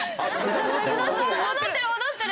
戻ってる戻ってる！」。